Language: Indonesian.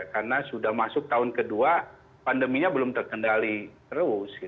karena sudah masuk tahun kedua pandeminya belum terkendali terus